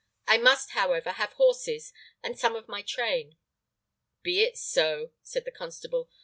I must, however, have horses and some of my train." "Be it so," said the constable.